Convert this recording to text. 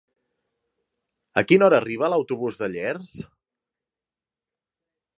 A quina hora arriba l'autobús de Llers?